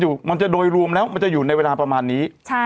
มันจะโดยรวมแล้วมันจะอยู่ในเวลาประมาณนี้